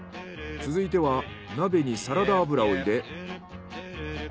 続いては鍋にサラダ油を入れ。